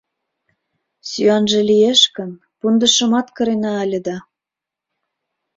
Сӱанже лиеш гын, пундышымат кырена ыле да...